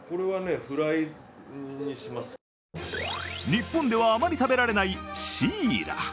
日本ではあまり食べられないシイラ。